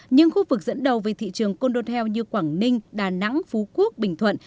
nhưng khu vực dẫn đầu về thị trường cô đồ tèo như quảng ninh đà nẵng phú quốc bình thuận